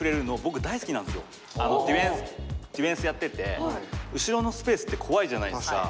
ディフェンスやってて後ろのスペースって怖いじゃないですか。